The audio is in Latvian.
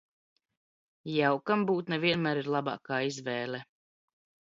Jaukam būt, ne vienmēr ir labākā izvēle.